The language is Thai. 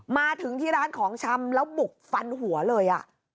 มาถึงที่ร้านของชำแล้วบุกฟันหัวเลย